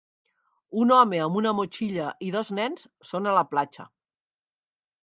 Un home amb una motxilla i dos nens són a la platja.